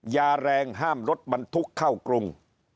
ยาแรงห้ามรถบรรทุกเข้ากรุง